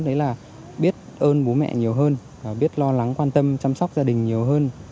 đấy là biết ơn bố mẹ nhiều hơn biết lo lắng quan tâm chăm sóc gia đình nhiều hơn